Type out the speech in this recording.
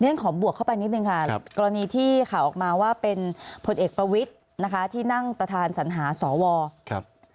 ฉันขอบวกเข้าไปนิดนึงค่ะกรณีที่ข่าวออกมาว่าเป็นผลเอกประวิทย์นะคะที่นั่งประธานสัญหาสวครับ